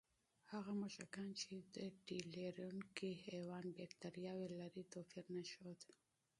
هغه موږکان چې د تیلرونکي حیوان بکتریاوې لري، توپیر نه ښود.